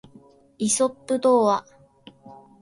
イソップ童話